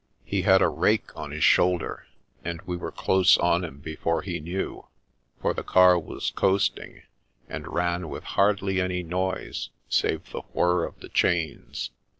He had a rake on his shoulder, and we were close on him before he knew; for the car was coasting, and ran with hardly any noise save the whir of the chains.